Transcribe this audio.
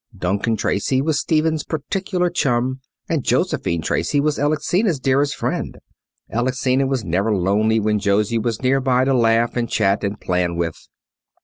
Duncan Tracy was Stephen's particular chum, and Josephine Tracy was Alexina's dearest friend. Alexina was never lonely when Josie was near by to laugh and chat and plan with.